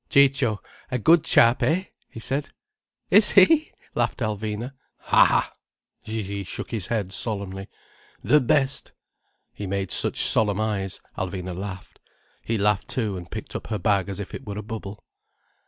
"Ciccio—a good chap, eh?" he said. "Is he?" laughed Alvina. "Ha a—!" Gigi shook his head solemnly. "The best!" He made such solemn eyes, Alvina laughed. He laughed too, and picked up her bag as if it were a bubble.